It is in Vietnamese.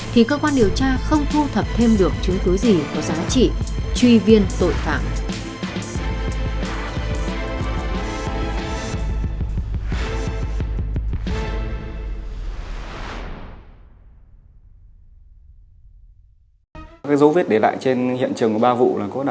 thì cơ quan điều tra không có thể tìm ra